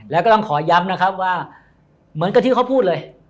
แล้วก็ต้องขอย้ำนะครับว่าเหมือนกับที่เขาพูดเลย